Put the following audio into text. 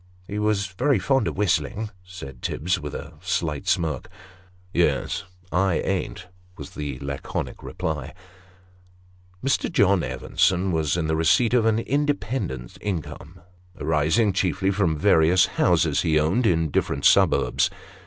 " He's very fond of whistling," said Tibbs, with a slight smirk. " Yes I ain't," was the laconic reply. Mr. John Evenson was in the receipt of an independent income, arising chiefly from various houses he owned in the different suburbs.